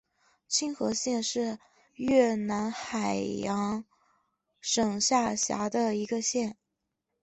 青河县是越南海阳省下辖的一个县。